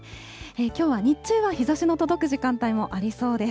きょうは日中は日ざしの届く時間帯もありそうです。